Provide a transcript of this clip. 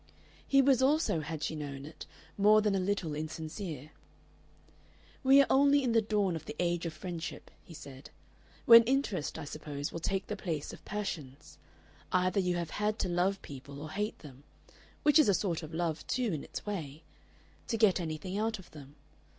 He was also, had she known it, more than a little insincere. "We are only in the dawn of the Age of Friendship," he said, "when interest, I suppose, will take the place of passions. Either you have had to love people or hate them which is a sort of love, too, in its way to get anything out of them.